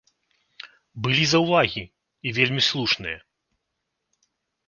Былі заўвагі, і вельмі слушныя.